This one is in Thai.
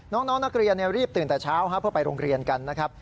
น้องนักเรียนรีบตื่นแต่เช้าเพื่อไปโรงเรียนกันนะครับ